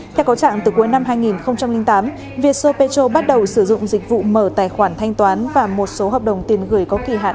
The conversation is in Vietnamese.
theo có trạng từ cuối năm hai nghìn tám vietso petro bắt đầu sử dụng dịch vụ mở tài khoản thanh toán và một số hợp đồng tiền gửi có kỳ hạn